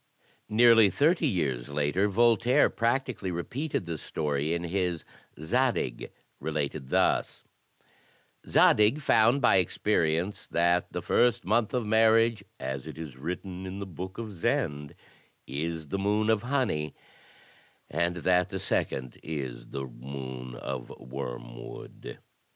Nearly thirty years later Voltaire practically repeated the story in his "Zadig," related thus: Zadig found by experience that the first month of marriage, as it is written in the book of Zend, is the moon of honey, and that the second is the moon of wormwood.